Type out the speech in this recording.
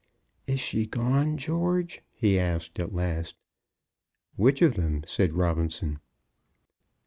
"Is she gone, George?" he asked at last. "Which of them?" said Robinson.